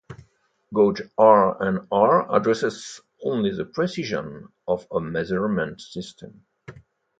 Gauge R and R addresses only the precision of a measurement system.